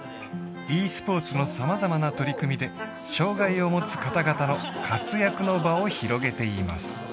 ｅスポーツの様々な取り組みで障がいを持つ方々の活躍の場を広げています